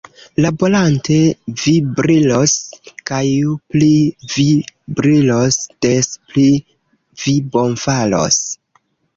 Laborante vi brilos; kaj ju pli vi brilos, des pli vi bonfaros.